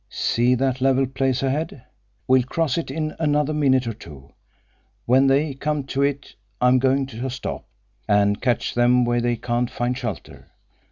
"See that level place ahead? We'll cross it in another minute or two. When they come to it I'm going to stop, and catch them where they can't find shelter.